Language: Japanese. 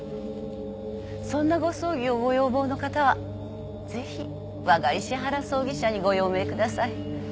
そんなご葬儀をご要望の方はぜひわが石原葬儀社にご用命ください。